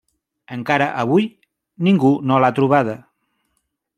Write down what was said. Encara avui ningú no l'ha trobada.